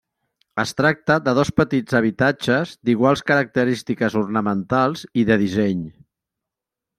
Es tracta de dos petits habitatges, d'iguals característiques ornamentals i de disseny.